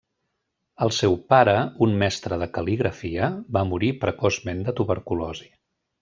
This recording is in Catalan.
El seu pare, un mestre de cal·ligrafia, va morir precoçment de tuberculosi.